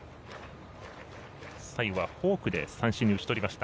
最後はフォークで三振に打ち取りました。